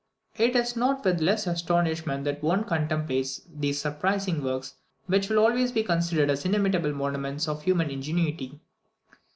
It is not with the less astonishment that one contemplates these surprising works, which will always be considered as inimitable monuments of human ingenuity.